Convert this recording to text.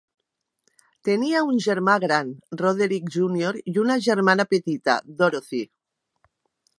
Tenia un germà gran, Roderick Junior i una germana petita, Dorothy.